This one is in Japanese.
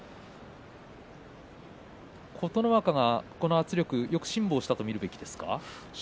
琴ノ若がこの圧力によく辛抱したと見るべきですか。